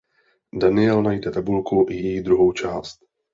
Daniel najde tabulku i její druhou část.